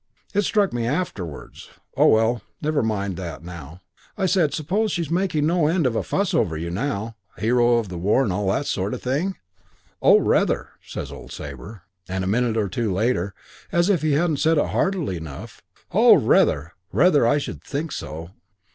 "It struck me afterwards oh, well, never mind that now. I said, 'I suppose she's making no end of a fuss over you now, hero of the war, and all that sort of thing?' "'Oh, rather!' says old Sabre, and a minute or two later, as if he hadn't said it heartily enough, 'Oh, rather. Rather, I should think so.'"